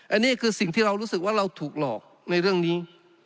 อันนี้คือสิ่งที่เรารู้สึกว่าเราถูกหลอกในเรื่องนี้